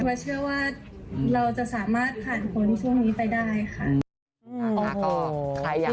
เพราะเชื่อว่าเราจะสามารถผ่านพ้นช่วงนี้ไปได้ค่ะ